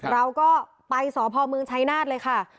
เราก็ไปสพเมืองชัยนาธเลยค่ะ